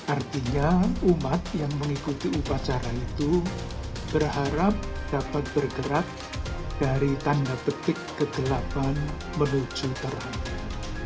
artinya umat yang mengikuti upacara itu berharap dapat bergerak dari tanda petik kegelapan menuju terlambat